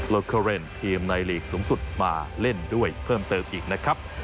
โลเคอเรนทีมในหลีกสูงสุดมาเล่นด้วยเพิ่มเติมอีกนะครับ